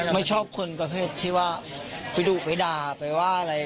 ไม่ชอบคนประเภทที่ว่าไปดุไปด่าไปว่าอะไร